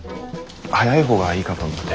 早い方がいいかと思って。